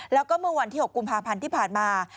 แล้วก็เมื่อวันที่๖กุมภาพันธ์ที่ผ่านมา